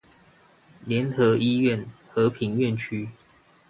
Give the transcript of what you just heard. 聯合醫院和平院區